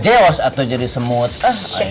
tidak ada karakter lain